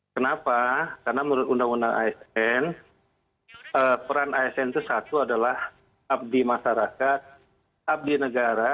kenapa karena menurut undang undang asn peran asn itu satu adalah abdi masyarakat abdi negara